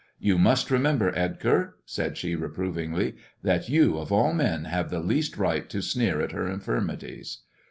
"You must remember, Edgar," said she reprovingly, " that you, of all men, have the least right to sneer at her infirmities."